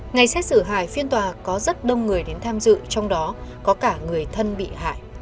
ngày xét xử hai phiên tòa có rất đông người đến tham dự trong đó có cả người thân bị hại